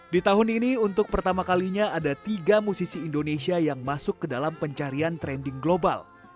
di tahun ini untuk pertama kalinya ada tiga musisi indonesia yang masuk ke dalam pencarian trending global